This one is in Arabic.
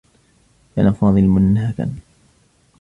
كان فاضل منهكا.